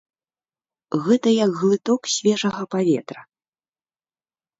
Гэта як глыток свежага паветра!